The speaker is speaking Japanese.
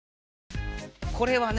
これはね